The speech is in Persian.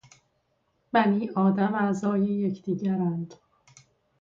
بنی آدم اعضای یکدیگرند